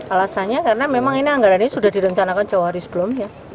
alasannya karena memang ini anggaran ini sudah direncanakan jawa haris belum ya